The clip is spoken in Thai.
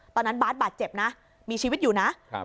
ตอนนั้นบาสบาดเจ็บนะมีชีวิตอยู่นะ